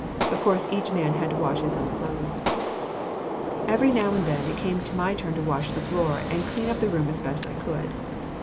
Of course, each man had to wash his own clothes. Every now and then it came my turn to wash the floor, and clean up the room as best I could.